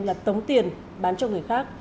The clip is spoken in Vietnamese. là tống tiền bán cho người khác